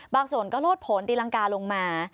บางส่วนก็โลดผลตีรังกาลงมา